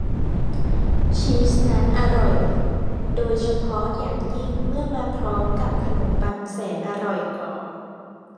ชีสนั้นอร่อยโดยเฉพาะอย่างยิ่งเมื่อมาพร้อมกับขนมปังแสนอร่อยกรอบ